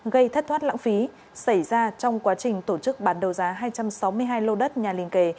gây thất thoát lãng phí xảy ra trong quá trình tổ chức bán đầu giá hai trăm sáu mươi hai lô đất nhà liên kề